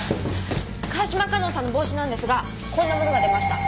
川島香音さんの帽子なんですがこんなものが出ました。